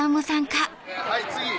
はい次！